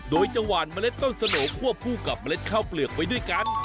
โดยจะหวานเมล็ดต้นสโหน่ควบคู่กับเมล็ดข้าวเปลือกไว้ด้วยกัน